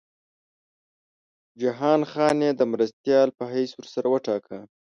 جهان خان یې د مرستیال په حیث ورسره وټاکه.